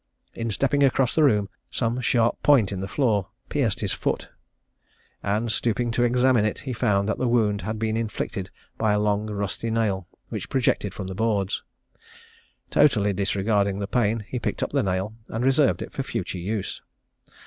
In stepping across the room, some sharp point in the floor pierced his foot, and stooping to examine it, he found that the wound had been inflicted by a long rusty nail, which projected from the boards. Totally disregarding the pain, he picked up the nail, and reserved it for future use.